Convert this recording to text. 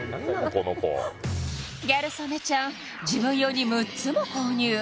この子ギャル曽根ちゃん自分用に６つも購入